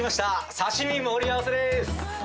刺身盛り合わせです。